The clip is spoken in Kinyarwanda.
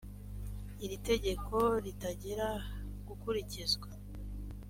iri tegeko ritangira gukurikizwa